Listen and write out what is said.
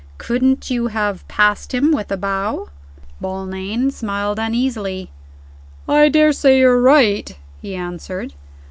Couldn't you have passed him, with a bow?" Romayne smiled uneasily. "I daresay you're right," he answered.